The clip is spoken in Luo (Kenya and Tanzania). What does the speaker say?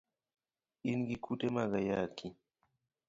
In gi kute mag ayaki.